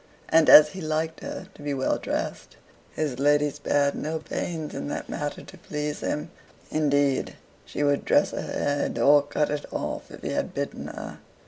And as he liked her to be well dressed, his lady spared no pains in that matter to please him; indeed, she would dress her head or cut it off if he had bidden her.